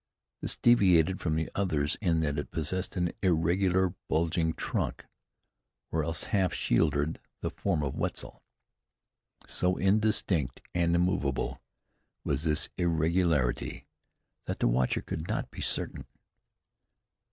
This deviated from the others in that it possessed an irregular, bulging trunk, or else half shielded the form of Wetzel. So indistinct and immovable was this irregularity, that the watcher could not be certain.